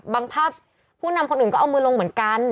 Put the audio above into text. ภาพผู้นำคนอื่นก็เอามือลงเหมือนกัน